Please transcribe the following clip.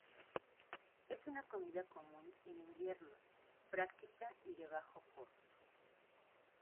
Es una comida común en invierno, práctica y de bajo coste.